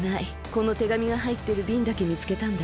この手紙がはいってるびんだけみつけたんだ。